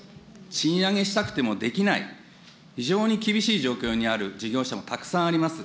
賃上げしたくてもできない、非常に厳しい状況にある事業者も、たくさんあります。